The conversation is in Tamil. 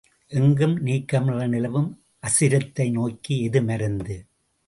எங்கும் நீக்கமற நிலவும் அசிரத்தை நோய்க்கு ஏது மருந்து?